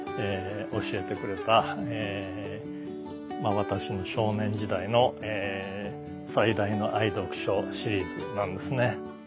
私に私の少年時代の最大の愛読書シリーズなんですね。